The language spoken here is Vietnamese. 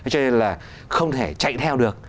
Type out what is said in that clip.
cho nên là không thể chạy theo được